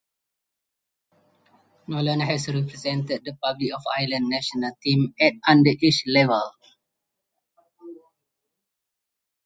Nolan has represented The Republic of Ireland national team at underage level.